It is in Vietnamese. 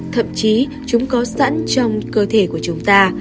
thậm chí chúng có sẵn trong cơ thể của chúng ta